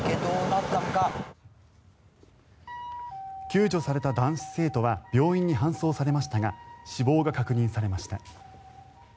救助された男子生徒は病院に搬送されましたが死亡が確認されました。